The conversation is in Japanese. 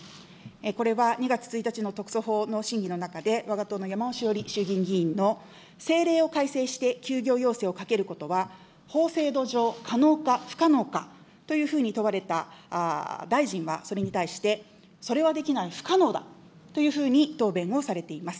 これは２月１日の特措法の審議の中で、わが党の山尾志桜里衆議院議員の政令を改正して休業要請をかけることは法制度上可能か不可能かというふうに問われた大臣は、それに対して、それはできない、不可能だというふうに答弁をされています。